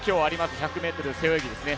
１００ｍ背泳ぎですね